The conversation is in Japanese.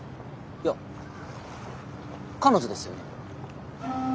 いや彼女ですよね？